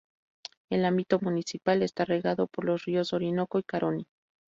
El ámbito municipal está regado por los ríos Orinoco y Caroní.